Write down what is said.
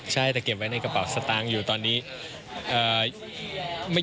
ใช่แต่เก็บไว้ในกระเป๋าสตางค์อยู่ตอนนี้